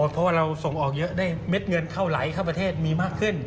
เพราะว่าเราส่งออกเยอะได้เม็ดเงินเข้าไหลเข้าประเทศมีมากขึ้น